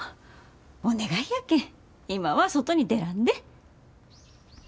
お願いやけん今は外に出らんで。